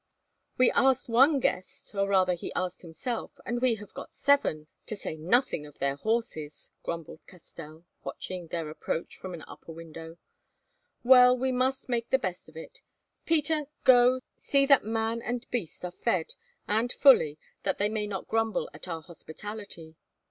"We asked one guest, or rather he asked himself, and we have got seven, to say nothing of their horses," grumbled Castell, watching their approach from an upper window. "Well, we must make the best of it. Peter, go, see that man and beast are fed, and fully, that they may not grumble at our hospitality.